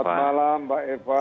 selamat malam mbak eva